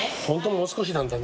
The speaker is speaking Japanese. もう少しなんだね。